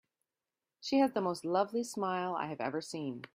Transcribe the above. She has the most lovely smile I have ever seen.